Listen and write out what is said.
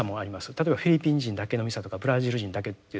例えばフィリピン人だけのミサとかブラジル人だけというですね。